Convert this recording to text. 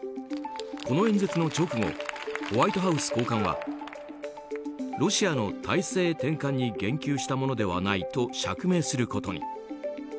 この演説の直後ホワイトハウス高官はロシアの体制転換に言及したものではないと釈明することに。